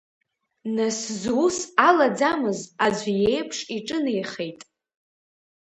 Нас зус алаӡамыз аӡә иеиԥш иҿынеихеит.